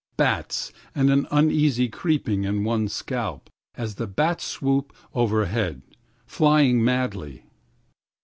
31Bats, and an uneasy creeping in one's scalp32As the bats swoop overhead!33Flying madly.